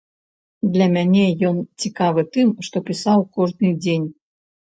Для мяне ён цікавы тым, што пісаў кожны дзень.